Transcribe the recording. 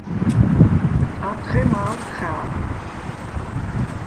ათხე მა̄ლდ ხა̄̈ქუ̂: